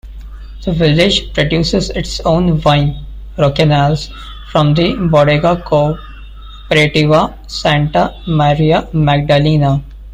The village produces its own wine, Rocanales, from the Bodega Cooperativa Santa Maria Magdalena.